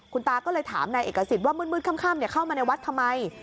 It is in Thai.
คุณตาก็เลยถามนายเอกสิทธิ์ว่ามืดค่ำเข้ามาในวัดทำไม